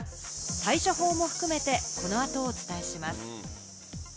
対処法も含めて、このあとお伝えします。